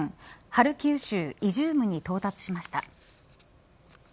ハルキウ州イジュームに到達しました。